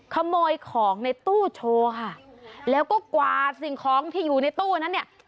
ขโมยของในตู้โชว์ค่ะแล้วก็กวาดสิ่งของที่อยู่ในตู้นั้นเนี่ย